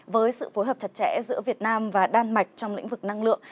với sự phối hợp chặt chẽ giữa việt nam và đan mạch trong lĩnh vực năng lượng